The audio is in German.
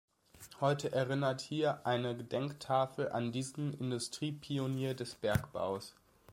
Heute erinnert hier eine Gedenktafel an diesen Industriepionier des Bergbaus.